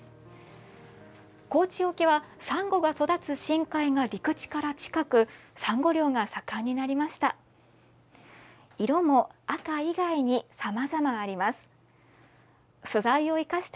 高知沖はサンゴが育つ深海が陸地から近くサンゴ漁が盛んになりました。